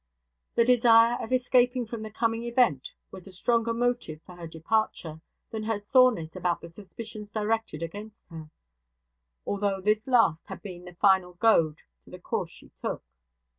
The desire of escaping from the coming event was a stronger motive for her departure, than her soreness about the suspicions directed against her; although this last had been the final goad to the course she took.